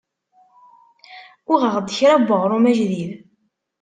Uɣeɣ-d kra n weɣrum ajdid.